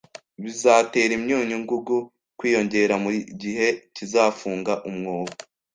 bizatera imyunyu ngugu kwiyongera mugihe kizafunga umwobo.